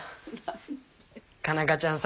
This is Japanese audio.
佳奈花ちゃん